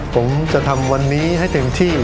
ผมจะทำวันนี้ให้เต็มที่